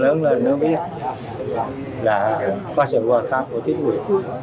lớn lên nó biết là có sự quan sát của thiết quyền